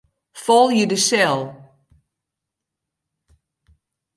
Folje de sel.